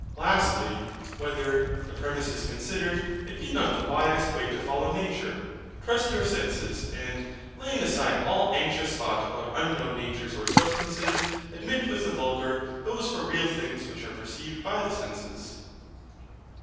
Lastly, Whether, the premises considered, it be not the wisest way to follow nature, trust your senses, and, laying aside all anxious thought about unknown natures or substances, admit with the vulgar those for real things which are perceived by the senses?